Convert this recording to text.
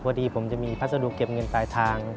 วันนี้ผมจะมีภาษาดูกเก็บเงินปลายทาง